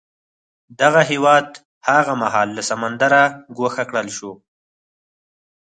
دغه هېواد هغه مهال له سمندره ګوښه کړل شو.